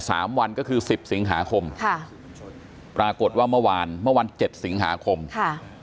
สามวันก็คือสิบสิงหาคมค่ะปรากฏว่าเมื่อวานเมื่อวันเจ็ดสิงหาคมค่ะ